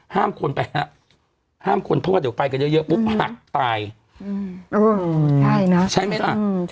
ห้ามคนไปฮะห้ามคนเพราะว่าเดี๋ยวไปกันเยอะเยอะปุ๊บหักตายใช่เนอะใช่ไหมล่ะ